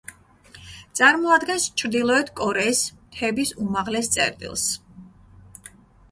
წარმოადგენს ჩრდილოეთ კორეის მთების უმაღლეს წერტილს.